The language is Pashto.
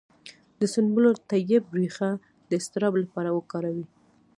د سنبل الطیب ریښه د اضطراب لپاره وکاروئ